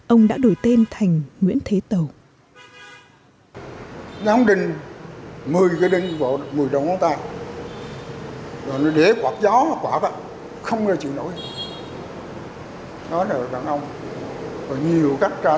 ông đã đổi tên thành nguyễn thế tầu